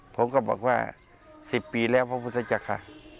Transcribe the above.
ผมก็บอกว่า๑๐ปีแล้วพระพุทธจักรค่ะ